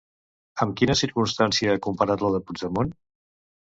Amb quina circumstància ha comparat la de Puigdemont?